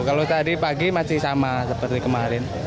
kalau tadi pagi masih sama seperti kemarin lima puluh